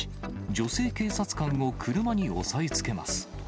女性警察官を車に押さえつけます。